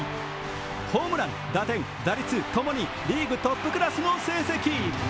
ホームラン・打点・打率共にリーグトップクラスの成績。